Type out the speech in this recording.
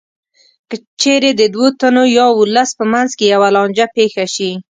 که چېرې د دوو تنو یا ولس په منځ کې یوه لانجه پېښه شي